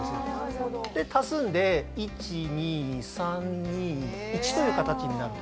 で足すんで１２３２１という形になると。